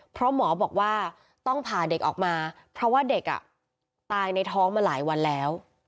เพราะหมอบอกว่าต้องผ่าเด็กออกมาเพราะว่าเด็กตายในท้องมาหลายวันแล้ว